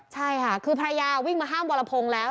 ใช่ค่ะคือภรรยาวิ่งมาห้ามวรพงศ์แล้ว